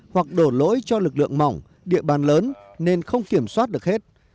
hoặc đổ lỗi cho lực lượng mỏng địa bàn lớn nên không kiểm soát được hết